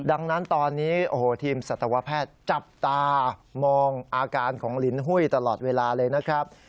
ดังนั้นตอนนี้โอ้โหทีมสัตวแพทย์จับตามองอาการของลินหุ้ยตลอดเวลาเลยนะครับ